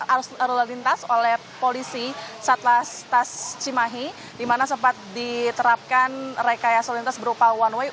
arus lelintas oleh polisi satlastas cimahi di mana sempat diterapkan rekayasa lelintas berupa one way